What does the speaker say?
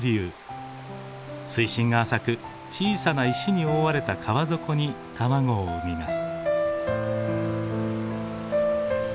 水深が浅く小さな石に覆われた川底に卵を産みます。